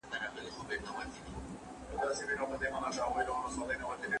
حضوري ټولګي به د ګډو تمرينونو فضا رامنځته کړي.